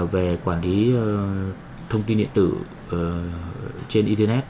về quản lý thông tin điện tử trên internet